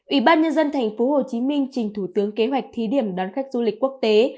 ủy ban nhân dân thành phố hồ chí minh trình thủ tướng kế hoạch thí điểm đón khách du lịch quốc tế